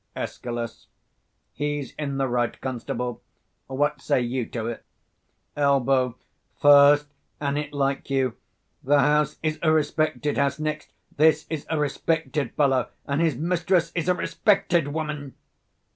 Escal. He's in the right. Constable, what say you to it? Elb. First, an it like you, the house is a respected house; next, this is a respected fellow; and his mistress is a respected woman.